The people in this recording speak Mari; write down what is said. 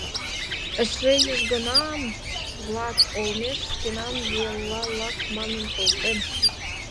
Эше южгунам «влак» олмеш шкенан велла «лак» манын колтем.